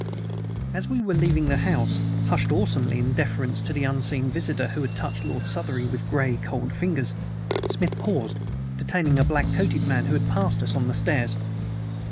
As we were leaving the house, hushed awesomely in deference to the unseen visitor who had touched Lord Southery with gray, cold fingers, Smith paused, detaining a black coated man who passed us on the stairs.